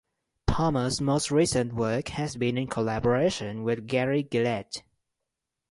Palmer's most recent work has been in collaboration with Gary Gillette.